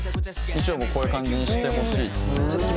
「衣装もこういう感じにしてほしいって」